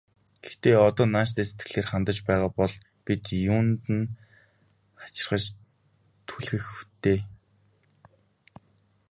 Гэхдээ одоо нааштай сэтгэлээр хандаж байгаа бол бид юунд нь хачирхаж түлхэх вэ дээ.